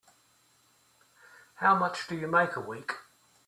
How much do you make a week?